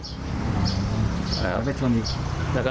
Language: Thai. หาไปชนอีก